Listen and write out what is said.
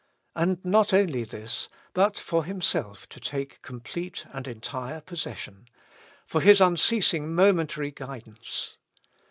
And not only this, but for Himself to take complete and entire possession ; for His unceasing momentary guidance.